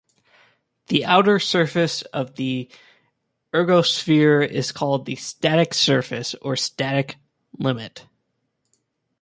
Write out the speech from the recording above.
The outer surface of the ergosphere is called the "static surface" or "static limit".